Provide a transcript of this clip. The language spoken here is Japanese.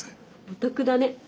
お得だね。